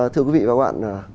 thưa quý vị và các bạn